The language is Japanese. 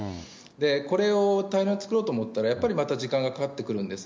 これを大量に作ろうと思ったら、やっぱりまた時間がかかってくるんです。